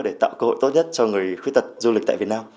để tạo cơ hội tốt nhất cho người khuyết tật du lịch tại việt nam